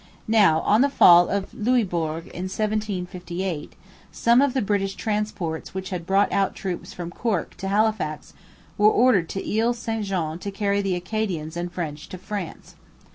Now, on the fall of Louisbourg in 1758, some of the British transports which had brought out troops from Cork to Halifax were ordered to Ile St Jean to carry the Acadians and French to France.